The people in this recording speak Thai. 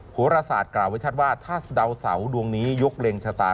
โหรศาสตร์กล่าวไว้ชัดว่าถ้าดาวเสาดวงนี้ยกเล็งชะตา